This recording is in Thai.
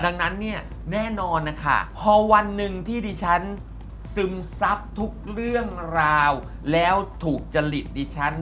ดังนั้นเนี่ยแน่นอนนะคะพอวันหนึ่งที่ดิฉันซึมซับทุกเรื่องราวแล้วถูกจริตดิฉัน